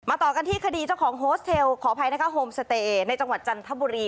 ต่อกันที่คดีเจ้าของโฮสเทลขออภัยนะคะโฮมสเตย์ในจังหวัดจันทบุรี